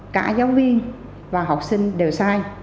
cả giáo viên và học sinh đều sai